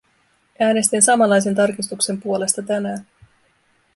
Äänestin samanlaisen tarkistuksen puolesta tänään.